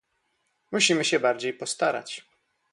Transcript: Musimy się bardziej postarać